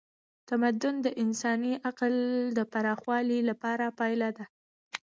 تمدن د انساني عقل د پراخوالي پایله ده.